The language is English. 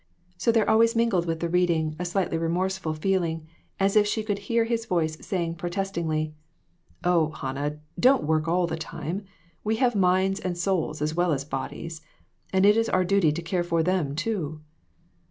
So there always mingled with the reading a slightly remorseful feeling, as if she could hear his voice saying, protestingly " Oh, Hannah, don't work all the time ! We have minds and souls as well as bodies, and it is our duty to care for them, too."